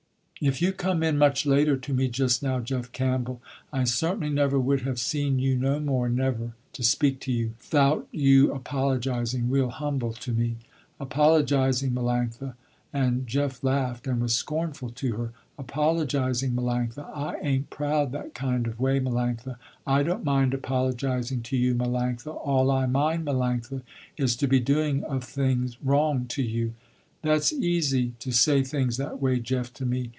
"If you come in much later to me just now, Jeff Campbell, I certainly never would have seen you no more never to speak to you, 'thout your apologising real humble to me." "Apologising Melanctha," and Jeff laughed and was scornful to her, "Apologising, Melanctha, I ain't proud that kind of way, Melanctha, I don't mind apologising to you, Melanctha, all I mind, Melanctha is to be doing of things wrong, to you." "That's easy, to say things that way, Jeff to me.